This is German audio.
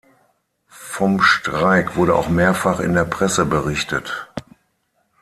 Vom Streik wurde auch mehrfach in der Presse berichtet.